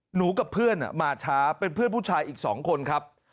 กับเพื่อนมาช้าเป็นเพื่อนผู้ชายอีก๒คนครับ